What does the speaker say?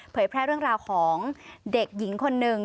แพร่เรื่องราวของเด็กหญิงคนหนึ่ง